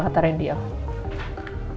kata ren diapa